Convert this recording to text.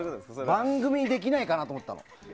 番組でできないかなと思ったの。